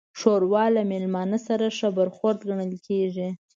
ښوروا له میلمانه سره ښه برخورد ګڼل کېږي.